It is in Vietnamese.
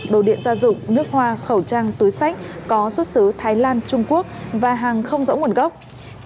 đồ điện gia dụng nước hoa khẩu trang túi sách có xuất xứ thái lan trung quốc và hàng không rõ nguồn gốc